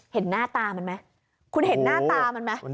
เห็นหน้าตามันมั้ย